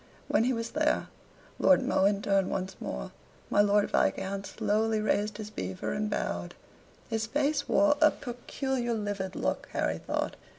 When he was there, Lord Mohun turned once more, my Lord Viscount slowly raised his beaver and bowed. His face wore a peculiar livid look, Harry thought.